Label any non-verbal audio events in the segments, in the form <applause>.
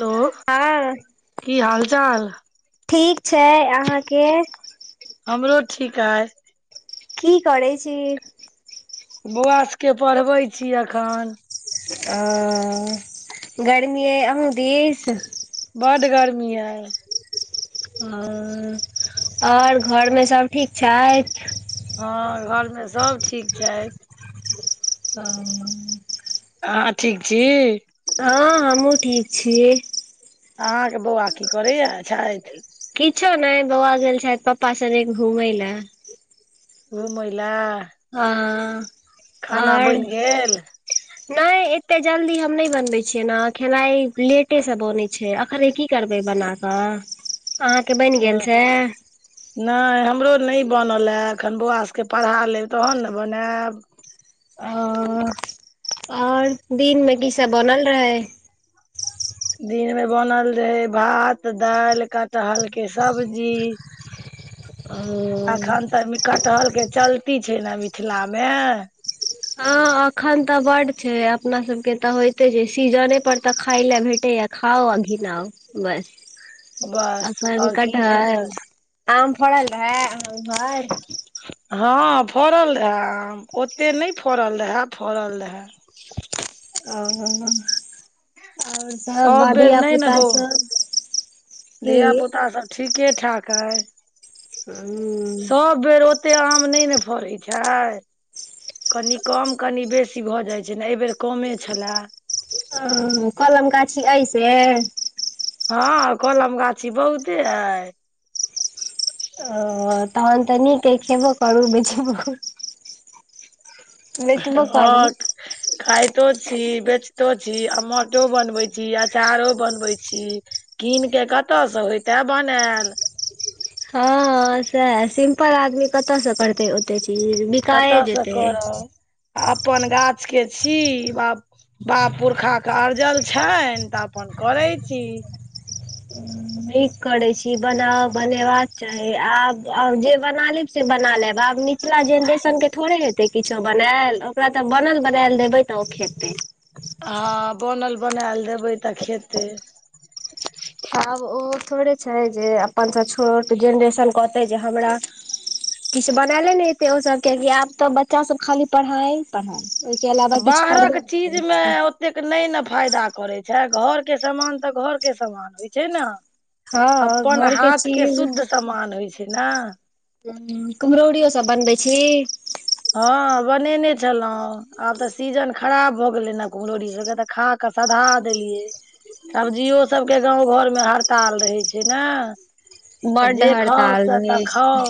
Hello, हँ की हाल चाल? ठीक छै, अहाँके? हमरो ठीक आई। की करै छी? बौआ सके पढ़बै छी अखन। अऽ गरमीे अइ आहूं दिस? बड्ड गर्मी अइ। अंऽ और घर में सब ठीक छैथ? हँ घर में सब ठीक छैथ। हंऽ। आहा ठीक छी? हँ हमहुँ ठीक छीयै। अहाँ के बौआ की करैये छैथ? किछो नहि बौआ गेल छैय पप्पा सने घुमै ले। घुमें ले। आ आर गेल नहि एते जल्दी हम नहि बनबै छियै ने खेलाइ लेटेसँ बनैत छै। अखने की करबै बनाकऽ अहाँके बनि गेले से? नहि हमरो नहि बनल हए एखन बौआ सभके पढ़ा लेब तहन ने बनायब। ओ और दिन में की सब बनल रहे? दिन मे बनल रहे भात दाल कटहल के सब्जी। ओ एखन तऽ कटहल के चलती छै ने मिथिला मे। हँ एखन तऽ बड छै अपना सबके तऽ होइते छै सीजने पर तऽ खाय ल भेटेय। खाओ घीना ओ बस बस अखन और की कटहल भेटल आम फड़ल रहै <unintelligible> हँ फड़ल रहे आम ओतेक नहि फड़ल रहे फड़ल रहे। ओ आओर सभ सब बेर नहि ने धियापुता बौ सब की धिया पुता सब ठीके ठाक है हूँ सब बेर ओ ओते आम नहि ने फड़ै छै। कनि कम कनी बेसी भऽ जाइत छै ने एहिबेर कमे छले। ओ कलम गाछी अइसे। हँ कलम गाछी बहुते हय। ओ तहन तऽ नीक है खेबे करू <unintelligible> बेचबो करू <unintelligible> खइतो छी, बेचितो छी, अमठो बनबैत छी, अचारो बनबैत छी। कीन कऽ कतयसँ होयइते बनायल। हँ सैह सिम्पल आदमी कते स करतै ओते चीज। बिकाए कतयसँ जेतै। करब अपन गाछ के छी बा बाप पुरखा के अरजल छेन त अपन करै छी। नीक करै छी। बनाउ बनेबाक चाही, आब और जे बना लेब से बना लेब आब नीक पिछला जेनरेशन के थोड़े हेतै किछो बनाएल ओकरा त बनल बनाएल देबै त ओ खेतै। हँ बनल बनायल देबै त खेतै। आब ओ थोड़े छै जे अपनसँ छोट जेनरेशन कहतै जे हमरा किछ बनाले नै हेतै ओ सब के आब त बच्चा सब खाली पढ़ाइ पढ़ाइ। ओइके अलावा किछु बाहरक करबे चीजमे ने <unintelligible> ओतेक नै ने फायदा करै छै, घरके समान त घरके समान होइ छै न। हँ अपन घरके हाथ के चीज शुद्ध समान होइ छै ने। कुम्हरौरीयो सब बनबै छी। हँ बनेने छलहुँ। आब त सीजन खराब भ गेलै ने कुम्हरौरी सबके त खा क सधा देलियै। सब्जियो सबके गाँव घरमे हड़ताल रहै छै ने। बड्ड जे खाउ हड़ताल से रहै त छै खाउ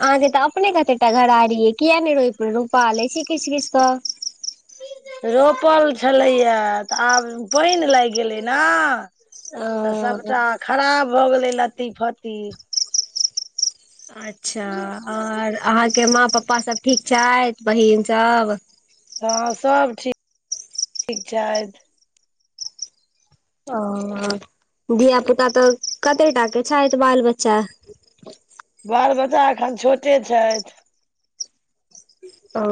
अहाँके त अपने कतेकटा घरारीे अइ किए ने रोइप रोपा लै छी किछ किछ सँ। रोपल छलैया त आब पैन लाइग गेलै न। तऽ ओ सबटा खराब भऽ गेलै लत्ती- फत्ती। अच्छा और अहाँके माँ पप्पा सब ठीक छैथ बहिन सब। हँ सब ठीक- ठीक छैथ। ओ धिया पूता तऽ कतेटा के छैथ बाल बच्चा। बाल बच्चा एखन छोटे छैथ। ओ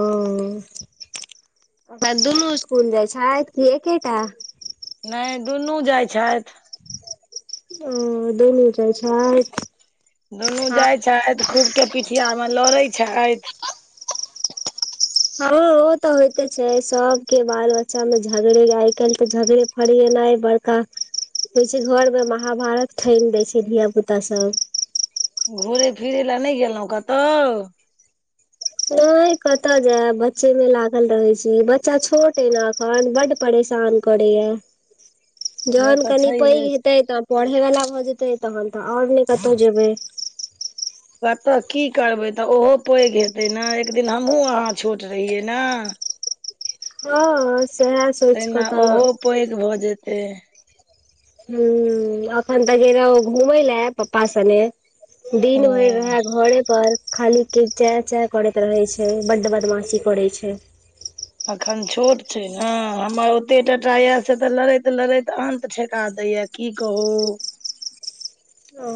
अपन दुनू इसकुल जाइ छैथ कि एकेटा। नै दुनू जाइ छैथ। ओ दुनू जाइ छैथ। दुनू जाइ छैथ खूब के पीठिया मे लड़ै छैथ। हँ ओ तऽ होइते छै सबके बाल बच्चा मे झगड़े आइ कैल्ह तऽ झगड़े। फरिएनाइ बड़का होइ छै घर मे महाभारत ठैन दै छै धिया पूता सब। घूरै फिरै लेें नै गेलौ कतौ। नै कतअ जेएब बच्चे मे लागल रहै छी बच्चा छोट ऐ न अखन बड्ड परेशान। करैया जहन तऽ कनि पैघ छैहे हेतै तब पढ़ै वला भऽ जेतै तहन तऽ और नै कतौ जेबै। बत की करबै त ओहो पैघ हेतै न एक दिन हमहुं अहाँ छोट रहियै न। हँ सेह स तहिना ओहो पैघ भऽ जेतै। हूँ अखन तऽ गेल ओ घूमै ले पप्पा सने। ओ दिन भैर रहे घरे पर। खाली के चे चें करैत रहै छै बड्ड बदमाशी करै छै। अखन छोट छै ने हमर ओतेटटा या से तऽ लड़ैत लड़ैत अंत ठेका दैया। की कहू। ओ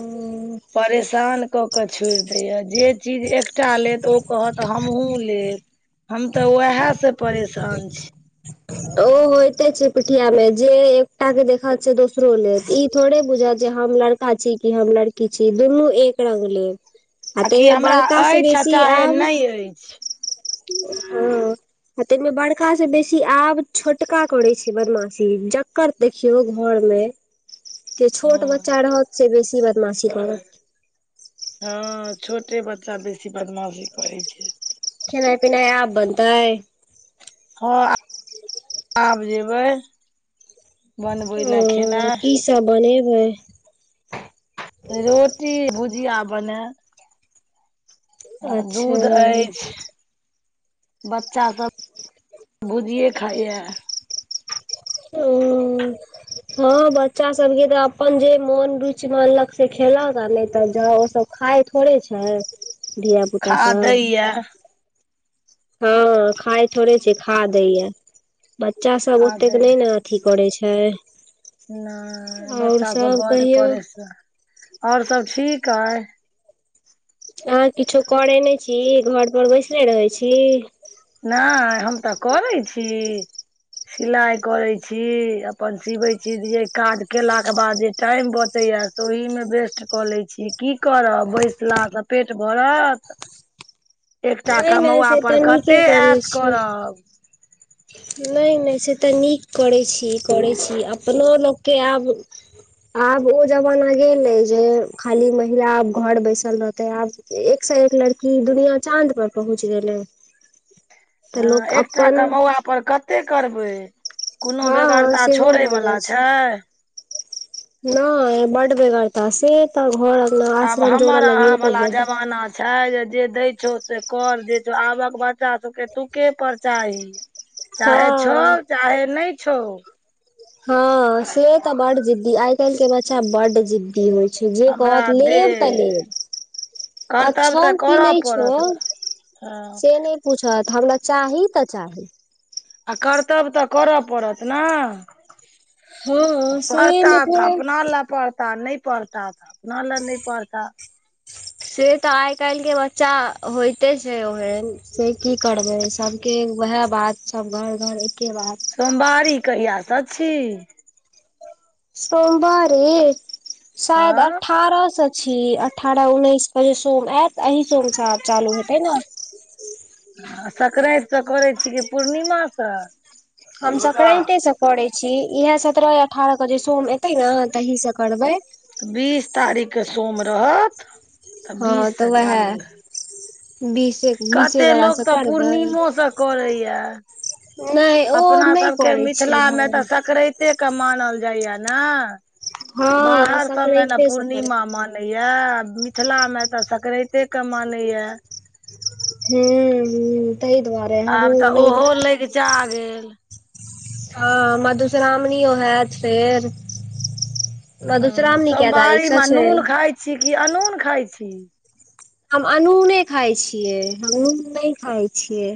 परेशान कऽ के छोइर दैए जे चीज एकटा लेत ओ कहत हमहुँ लेब। हम तऽ उहे से परेशान छी। ओ होइते छै पीठिया मे जे एकटा के देखत दोसरो लेत ई थोड़े बुझत जे हम लड़ का छी की हम लड़की छी दुनू एक रंग लेब। आ तै कि मे हमरा बड़कासँ अछि आ बेसी चाहे आब। नहि अछि हूँ आ तै मे बड़का से बेसी आब। छोटका करै छै बदमाशी जकर देखियौ घर मे। जे छोट हँ बच्चा रहत से बेसी बदमाशी करत। हँ छोटे बच्चा बेसी बदमाशी करै छै। खेनाइ- पिनाइ आब बनतै। हँ आब जेबै। बनबै लेए ओ खेनाइ। की सब बनेबै। रोटी भुजिया बनेब। आ अच्छा दूध अइछ। बच्चा सब भुजिए खाइए। ओ हँ बच्चा सब के तऽ अपन जे मोन रुइच मानलक से खेलक आ नैह तऽ जाओ सब। खाय थोड़े छय, धिया- पुता सब। किए हँ खााय थोड़े छै, खा दै य बच्चा सब खा ओतेक दै नै न की करै छय नय बच्चा सब बड़ कहियौ परैसां और सब ठीक आइ। अहाँ किछो करै नै छी घर पर बैसले रहै छी। नाइ हम तऽ करै छी। सिलाइ करै छी। अपन सिबै छी जे काज केला के बाद जे टाइम बचैए। तऽ ओहिमे बेस्ट कऽ लै छी, की करब बैसलास पेट भरत। एक टा क ने से त नीके करैछी। नै-नै से तऽ नीक करै छी। की करै छी, अपना लोक के आब आब ओ जमाना गेलै जे खाली महिला आब घर बैसल रहते आब एकसा एक लड़की दुनिया चाँद पर पहुँच गेलै। तऽ हँ लोक एकटा अपन कमौआ पर कतेक करबै कुनो हँ बेगरता सेहो छोड़य भऽ बला छैय नय बड़ बेगरता, से तऽ घर अंगना आब -आश्रम हमर जोड़ा लगीयौ अहाँ तऽ वाला बड। जमाना छै जे दै छौ से कर, जे छौ आबक बच्चा सबके तुके पर चाही चाहे छौ हँ चाहे नै छौ हँ से तऽ बड जिद्दी, आइ काल्हि के बच्चा बड जिद्दी होइ। जय जे हमरा कहत दे लेब तऽ लेब क करतब छौ तऽ कि करऽ नै छौ पड़त ने हँ से नै प पूछत हमरा चाही तऽ चाही आ करतब तऽ करअ पड़त ना हँ से परता मे तऽ थोड़े अपना लए पर तऽ नहि पढ़ता त अपना लै नै पढ़ता से तऽ आइ काल्हि के बच्चा होयइते छै ओहेन से की करबै सबके एगो वएह बात सब घर घर एके बात सोमबारी कहिया स छी सोमबारी शायद आँ अठारह सए छी, अठारह उन्अइस क जे सोम ऐत अही सोम स आब चालू हेतै न आ सकरैत स करै छी की पूर्णिमा स हम सकरैंते स करे छी इहै सतरह - अठारह क जे सोम एते न तही स करबै। त बीस तारीख क सोम रहत तऽ बीस हँ से तऽ वएह चालू हैत बीसे क कते लोक तऽ पूर्णिमोस करैया नहि ओ नहि अपनासबके करै छियै मिथिलामे तऽ हम सकरइतेके मानल जाइए ने हँ बाहर सबमे न संक्रान्ते से करबै पूर्णिमा मानल मानैया मिथिलामे तऽ सकरइतेके मानैया हूं हूं ताहि दुआरे हमहूँ नैय चा गेल हँ मधुश्रामणियो हैत फेर हँ मधुश्रावणी के तारीखसँ सोमवारीमे छै? नून खाइ छी की अनून खाइ छी? हम अनूने खाइ छियै हम नून नहि खाइ छियै।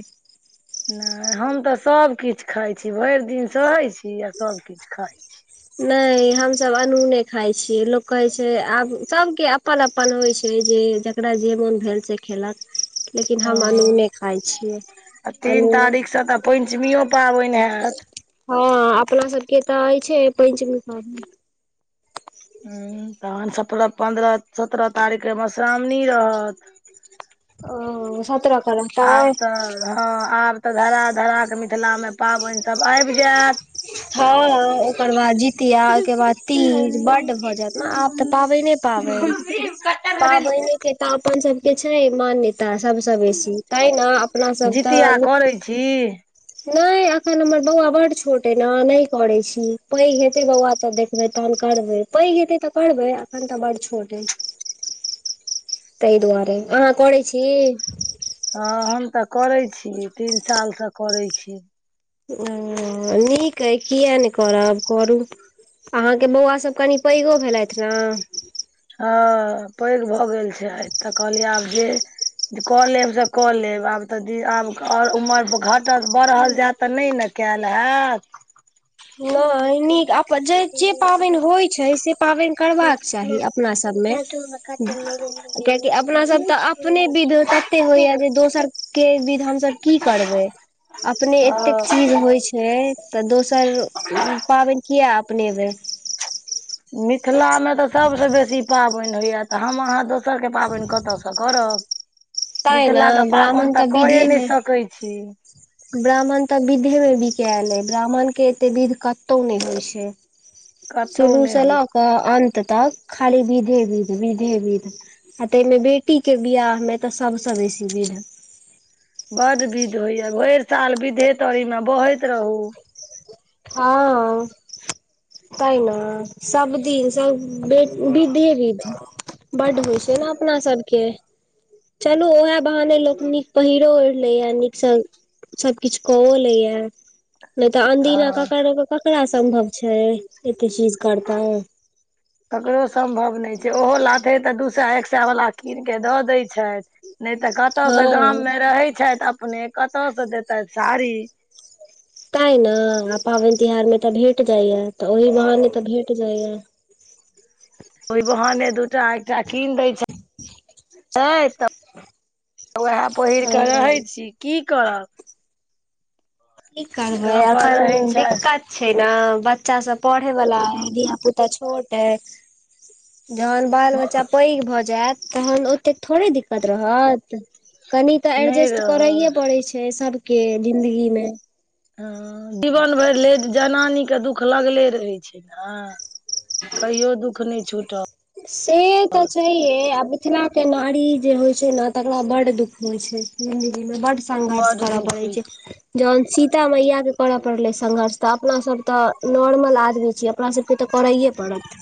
नहि हम तऽ सभकिछ खाइ छी भरि दिन सहैइ छी आ सभकिछ खाइ छी। नहि हमसभ अनूने खाइ छियै लोक कहै छै आब सभके अपन अपन होइत छै जे जकरा जे मोन भेल से खेलक लेकिन हम हँ अनूने खाइ छियै आ तीन अनूने तारीखसँ तऽ पञ्चमियो पाबनि हैत। हँ अपना सबके तऽ अइछै पञ्चमी पाबनि। ह्म तहन सत्रह पन्द्रह सत्रह तारीखके मधुश्रावणी रहत। ओ सत्रहके आब तऽ हँ आब तऽ धराक धराकके मिथिलामे पाबनिसभ आबि जायत। हँ ओकर बाद जितिया ओहिके बाद तीज बड्ड भ जायत ने आब त पाबनि पाबनि पाबनिके तऽ अपन सबके छै मान्यता। तऽ सभसँ बेसि तैहि न अपनासभ जितिया तऽ करै छी नहि अखन हमर बौआ बढ छोट कैना- नहि करै छी पैघ हेतै बौआ तऽ देखबै तहन करबै पैघ हेतै तऽ करबै। एखन तऽ बढ छोट अइ। ताहि दुआरे अहाँ करै छी? हँ हम तऽ करै छी तीन सालसँ करै छी। ओ निक अइ किए नहि करब करू। अहाँके बौआ सभ कनिक पैघो भेलथि न। हँ पैघ भऽ गेल छै तऽ कहलियै आब जे कऽ लेब से कऽ लेब आब त दे आब ओर उमर घटत बढ़ल जायत तऽ नहि ने कैल होयत। नहि- निक अपन जे जे पाबनि होइत छै से पाबनि करबाक चाही। अपना सबमे कियकि अपना सब तऽ अपने विध तते होइया जे दोसर के विध हमसभ की करबै अपने एतेक हँ चीज होइ छै छैे तऽ दोसर पाबनि किया अपनेबै। मिथिलामे तऽ सभ स बेसी पाबनि होइय त हम अहाँ दोस दोसरके पाबनि कता सऽ करब। तैं ने मिथिलाके ब्राह्मण पाबनि तऽ कए विधे नहि मे सकै छी। ब्राह्मण तऽ विधे मे बिकेल अए ब्राह्मण के एते विध कतौ नहि होइ छै। कतहु शुरू नहि सँ होइ छै। लऽक अन्त तक खाली विधे विध विधे विध। आ ताहिमे बेटीके बिआह मे त सबसँ बेसी विध। बड विध होइया भरि साल विधेतरिमे बहैत रहू। हँ ताइ न सबदिन सँ बे विधे विध बड्ड होइ छै न अपना सबके। चलू ओएह बहाने लोक नीक पहिरो ओढि लैया नीकसँ सभ किछ कऽओ लैया नहि त आनदिना हँ ककरा सम्भव छै एते चीज करतै। ककरो सम्भव नैछै ओहो लाथे तऽ दू सए एक सए वला किन के दऽ दैत छैथ नहि तऽ कतयसँ हँ गाममे रहै छैथ अपने कतयसँ देतैथ साड़ी। ताई न आ पाबनि तिहार मे त भेट जाइये त ओहि बहाने तऽ भेट जाइये। ओहि बहाने दूटा एकटा किन दै छथि तऽ। वेह पहिर ओ कऽ रहै छी की करब। की करबै गाम पर एखन रहै छथि दिक्कत छै ने बच्चा सब पढ़ै वला ऐ धिया पुता छोट ऐ। जहन बाल बच्चा पैघ भऽ जायत तहन ओतेक थोड़े दिक्कत रहत। कनि तऽ नहि एडजेस्ट रहै करैए पड़ैत छै। सभके जिन्दगी मे हँ जीबन भरि ले जनानी के दुःख लगले रहै छै। ने। कहियो दुःख नहि छूटत। से तऽ छै। हे मिथिला के नारी जे होय छै। ने तकरा बड़ड दुख होय छै। जिंन्दगी मे बड संघर्ष बड करऽ दुःख पड़ै होइ छै। जहन सीता मैया के करऽ पड़लै संघर्ष तऽ अपना सब ते नॉर्मल आदमी छीयै। अपना सबके तऽ करैए पड़त।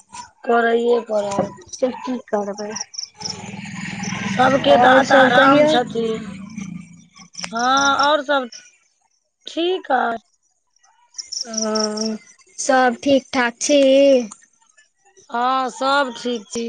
करैए पड़त। से की करबै सबके आओर दाता सब राम कहियौ छथिन। हँ आओर सब ठीक ऐ। हॅं सब ठीक ठाक छी। हँ सब ठीक छी।